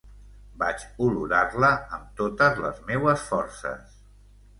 Vaig olorar-la, amb totes les meues forces.